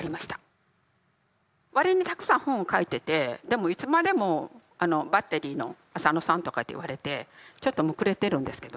割にたくさん本を書いててでもいつまでも「バッテリー」のあさのさんとかって言われてちょっとむくれてるんですけど。